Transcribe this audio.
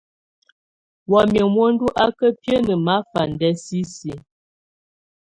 Wamɛ̀á muǝndu á ká biǝ́nǝ manafandɛ sisi.